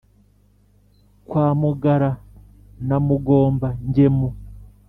kwa mugara na mugomba-ngemu.